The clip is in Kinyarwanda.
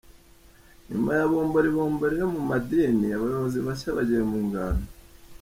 Nyuma ya bombori bombori yo mumadini abayobozi bashya bagiye mu ngando